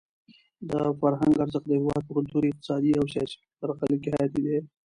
د فرهنګ ارزښت د هېواد په کلتوري، اقتصادي او سیاسي برخلیک کې حیاتي دی.